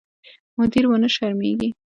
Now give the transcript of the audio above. مدیر ونه شرمېږي.